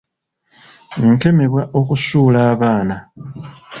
Nkemebwa okusuula abaana.